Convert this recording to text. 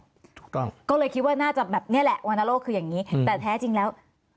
ถูกต้องก็เลยคิดว่าน่าจะแบบเนี้ยแหละวรรณโลกคืออย่างนี้แต่แท้จริงแล้ว